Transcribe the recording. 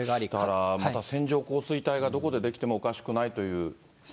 だからまた線状降水帯がどこで出来てもおかしくないというね。